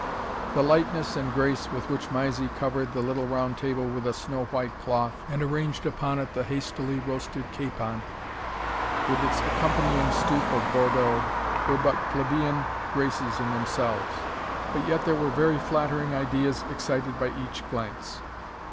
The lightness and grace with which Mysie covered the little round table with a snow white cloth, and arranged upon it the hastily roasted capon, with its accompanying stoup of Bourdeaux, were but plebeian graces in themselves; but yet there were very flattering ideas excited by each glance.